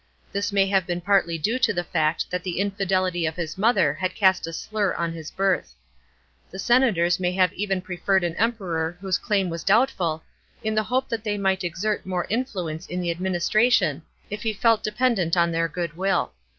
This may have been partly due to the fact that the infidelity of his mother had cast a slur on his birth. The s nators may have even preferred an Emperor whose claim was doubtful, in the hope that they might exert more influence in the administra tion, if he felt dependent on their goodwill.